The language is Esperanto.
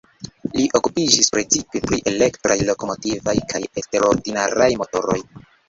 Li okupiĝis precipe pri elektraj lokomotivoj kaj eksterordinaraj motoroj.